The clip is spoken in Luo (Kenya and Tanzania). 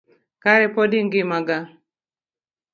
Kare pod ingima gaa?